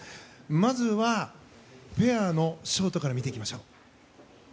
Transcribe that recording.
まずはペアのショートから見ていきましょう。